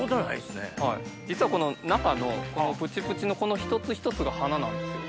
実はこの中のプチプチのこの一つ一つが花なんですよ。